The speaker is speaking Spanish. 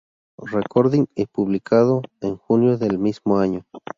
Recording y publicado en junio del mismo año.